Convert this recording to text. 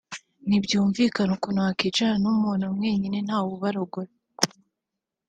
Ntibyumvikana ukuntu wicarana n’umuntu muri mwenyine ntawe ubarogoya